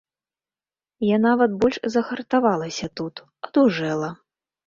Я нават больш загартавалася тут, адужэла.